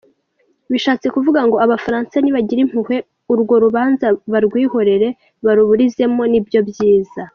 Bishatse kuvuga ngo Abafaransa nibagire impuhwe, urwo rubanza barwihorere, baruburizemo, nibyo byiza !!!